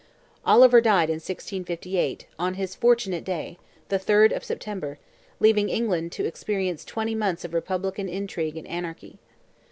Oliver died in 1658, on his "fortunate day," the 3rd of September, leaving England to experience twenty months of republican intrigue and anarchy.